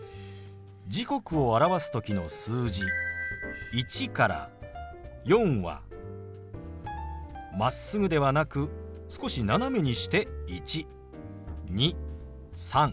時刻を表す時の数字１から４はまっすぐではなく少し斜めにして１２３４。